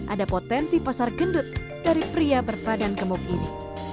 ada potensi pasar gendut dari pria berpadan gemuk ini